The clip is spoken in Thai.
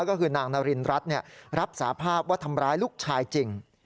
ก็คือนางนารินรัฐรับสาภาพว่าทำร้ายลูกชายจริง